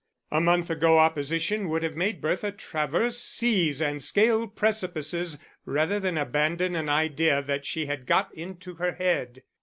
A month ago opposition would have made Bertha traverse seas and scale precipices rather than abandon an idea that she had got into her head.